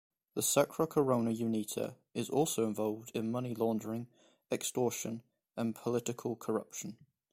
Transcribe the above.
The Sacra Corona Unita is also involved in money laundering, extortion, and political corruption.